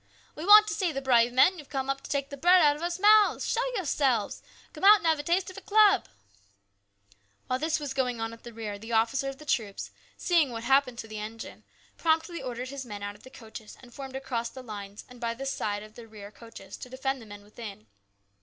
" We wants to see the brave men who have come up to take bread out of us mouths ! Show your selves ! Come out and have a taste of a club !" While this was going on at the rear, the officer of the troops, seeing what had happened to the engine, A CHANGE. 113 promptly ordered his men out of the coaches and formed across the lines and by the side of the rear coaches to defend the men within.